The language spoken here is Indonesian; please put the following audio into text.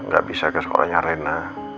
gak bisa ke sekolahnya rena